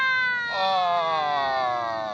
ああ！